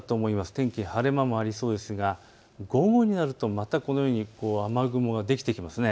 天気、晴れ間もありそうですが午後になるとまたこのように雨雲ができてきます。